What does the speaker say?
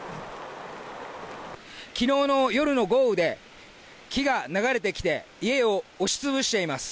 きのうの夜の豪雨で、木が流れてきて、家を押しつぶしています。